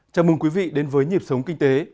chào mừng quý vị đến với nhịp sống kinh tế